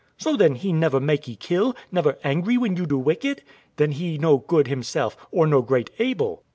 Wife. So then He never makee kill, never angry when you do wicked; then He no good Himself, or no great able.